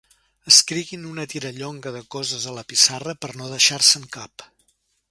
Escriguin una tirallonga de coses a la pissarra per no deixar-se'n cap.